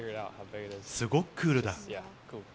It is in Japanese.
すごくクールだ。